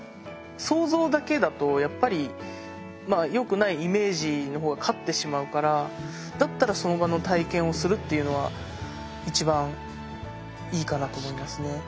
想像だけだとやっぱりよくないイメージの方が勝ってしまうからだったらその場の体験をするっていうのは一番いいかなと思いますね。